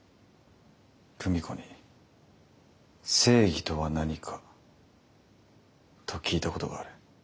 久美子に「正義とは何か」と聞いたことがある。